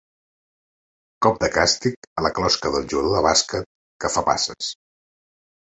Cop de càstig a la closca del jugador de bàsquet que fa passes.